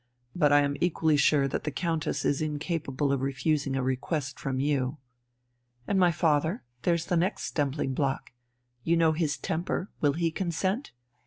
But I am equally sure that the Countess is incapable of refusing a request from you." "And my father? There's the next stumbling block. You know his temper. Will he consent?"